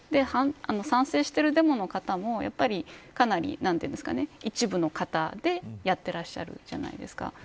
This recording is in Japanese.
賛成してるデモの方もかなり、なんというか一部の方でやってらっしゃるじゃないですか。